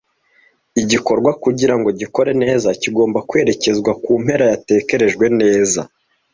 Igikorwa kugirango gikore neza kigomba kwerekezwa kumpera yatekerejwe neza.